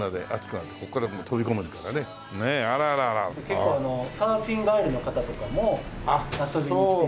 結構サーフィン帰りの方とかも遊びに来て頂いて。